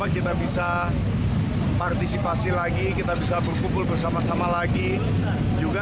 kita bisa partisipasi lagi kita bisa berkumpul bersama sama lagi juga